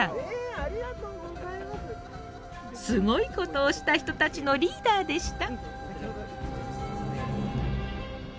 すごいことをした人たちのリーダーでした。